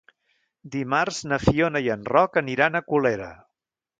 Dimarts na Fiona i en Roc aniran a Colera.